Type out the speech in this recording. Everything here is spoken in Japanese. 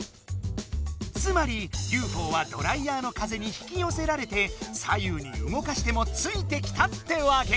つまりＵＦＯはドライヤーの風に引きよせられて左右にうごかしてもついてきたってわけ！